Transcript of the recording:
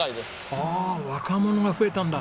ああ若者が増えたんだ！